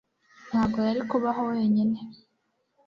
ntago yari kubaho wenyine